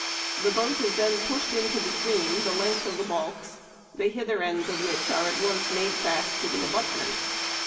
The hoat is then pushed into the stream the length of the balks, the hither ends of which are at once made fast to the abutment.